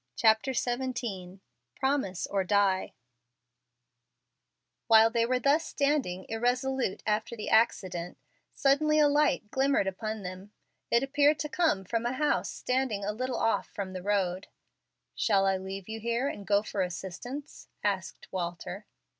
CHAPTER XVII "PROMISE OR DIE" While they were thus standing irresolute after the accident, suddenly a light glimmered upon them. It appeared to come from a house standing a little off from the road. "Shall I leave you here and go for assistance?" asked Walter.